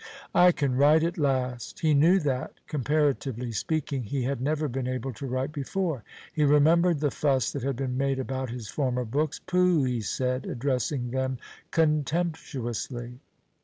"I can write at last!" He knew that, comparatively speaking, he had never been able to write before. He remembered the fuss that had been made about his former books. "Pooh!" he said, addressing them contemptuously.